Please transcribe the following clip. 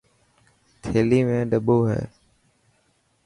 ٿيلي ۾ ڏٻو هي.